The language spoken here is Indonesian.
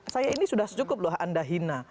saya ini sudah secukup loh anda hina